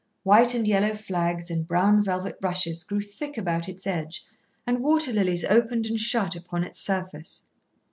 White and yellow flags and brown velvet rushes grew thick about its edge, and water lilies opened and shut upon its surface.